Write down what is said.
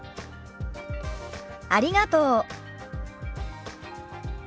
ありがとう。